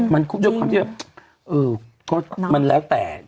มันคือคำที่แบบ